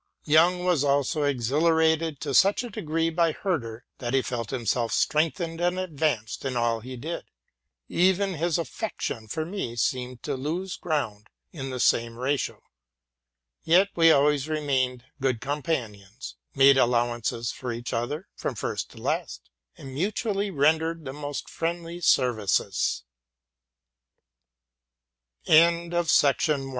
Jung was also exhilarated to such a degree by Herder, that 24 TRUTH AND FICTION he felt himself strengthened and advanced in all he did: even his affection for me seemed to lose ground in the same ratio ; yet we always remained good companions, made allowances for each other from first to last, and mutually rendered the most frie